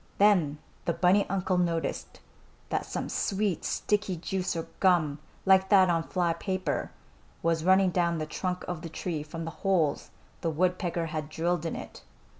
Then the bunny uncle noticed that some sweet, sticky juice or gum, like that on fly paper, was running down the trunk of the tree from the holes the woodpecker had drilled in it.